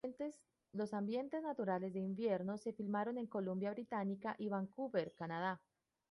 Los ambientes naturales de invierno se filmaron en la Columbia Británica y Vancouver, Canadá.